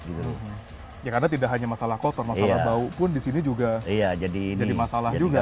karena tidak hanya masalah kotor masalah bau pun di sini juga jadi masalah juga